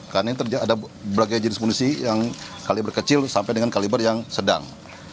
karena ini ada berbagai jenis munisi yang kaliber kecil sampai dengan kaliber yang sedang